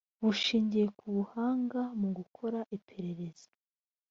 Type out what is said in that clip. bushingiye ku buhanga mu gukora iperereza